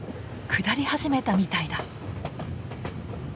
下り始めたみたいだ。